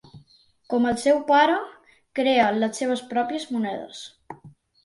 Com el seu pare, creà les seves pròpies monedes.